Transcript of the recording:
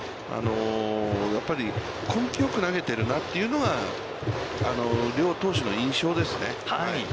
やっぱり根気よく投げてるなというのが両投手の印象ですね。